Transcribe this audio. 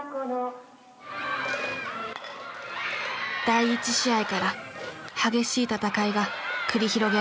第１試合から激しい戦いが繰り広げられる。